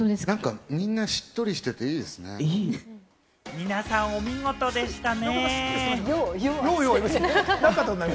皆さんお見事でしたね。